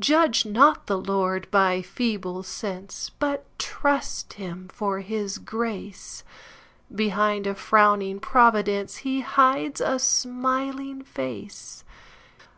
Judge not the Lord by feeble sense, But trust him for his grace; Behind a frowning providenceHe hides a smiling face.